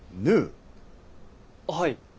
はい。